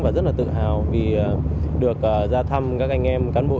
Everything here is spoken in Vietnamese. và rất là tự hào vì được ra thăm các anh em cán bộ